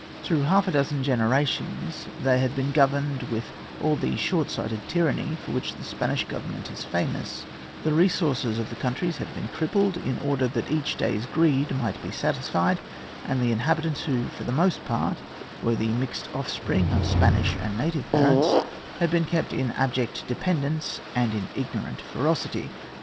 Through half a dozen generations they had been governed with all the short sighted tyranny for which the Spanish Government is famous; the resources of the countries had been crippled in order that each day's greed might be satisfied; and the inhabitants, who, for the most part, were the mixed offspring of Spanish and native parents, had been kept in abject dependence and in ignorant ferocity.